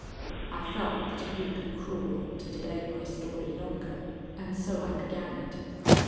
I felt that it would be cruel to delay my story longer, and so I began it.